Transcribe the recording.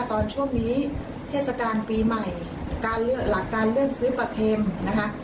ว่าตอนช่วงนี้เทศกาลปีใหม่หลักการเลือกซื้อประเข็มนะคะ